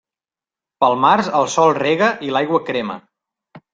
Pel març el sol rega i l'aigua crema.